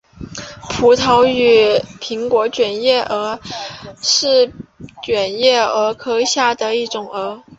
葡萄与苹果卷叶蛾是卷叶蛾科下的一种蛾。